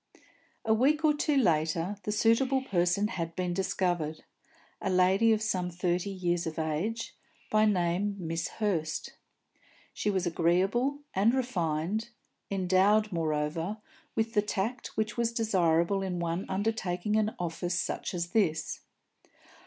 A week or two later the suitable person had been discovered a lady of some thirty years of age, by name Miss Hurst. She was agreeable and refined, endowed, moreover, with the tact which was desirable in one undertaking an office such as this.